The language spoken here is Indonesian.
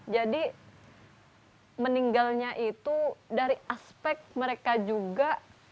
jadi meninggalnya itu dari aspek mereka juga